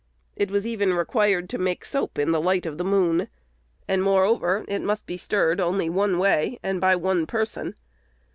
It was even required to make soap "in the light of the moon," and, moreover, it must be stirred only one way, and by one person.